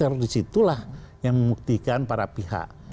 harus di situlah yang memuktikan para pihak